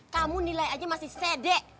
kamu nilai aja masih sede